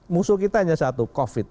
musuh kita hanya satu covid